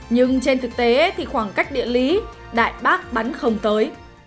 nhưng trên thực tế thì khoảng cách địa lý đại bác bắn không tới